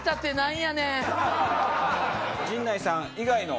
陣内さん以外の。